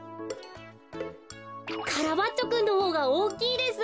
カラバッチョくんのほうがおおきいです。